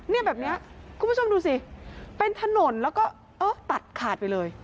เนี่ยแบบเนี้ยคุณผู้ชมดูสิเป็นถนนแล้วก็เออตัดขาดไปเลย